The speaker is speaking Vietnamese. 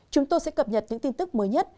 chúng tôi sẽ cập nhật những tin tức mới nhất